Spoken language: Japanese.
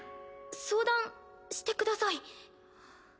相談してください。